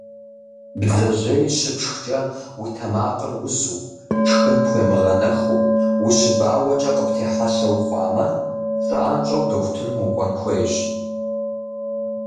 Бдзэжьей щыпшхкӏэ, уи тэмакъыр узу, шхын пхуемыгъэнэхыу, ущыбауэкӏэ къыптехьэлъэ хъуамэ, занщӏэу дохутырым укӏуэн хуейщ.